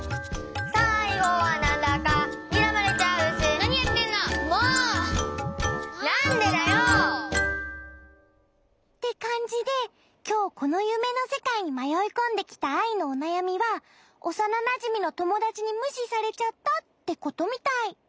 なにやってんの！？ってかんじできょうこのゆめのせかいにまよいこんできたアイのおなやみはおさななじみのともだちにむしされちゃったってことみたい。